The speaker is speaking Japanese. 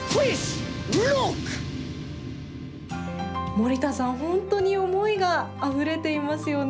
森田さん、本当に思いがあふれていますよね。